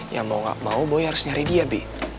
ya mau gak mau boy harus nyari dia deh